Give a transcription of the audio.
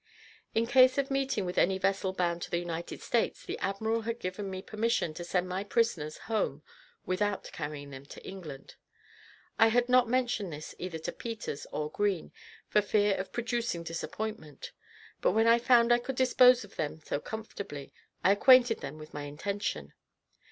In case of meeting with any vessel bound to the United States, the admiral had given me permission to send my prisoners home without carrying them to England. I had not mentioned this either to Peters or Green, for fear of producing disappointment; but when I found I could dispose of them so comfortably, I acquainted them with my intention.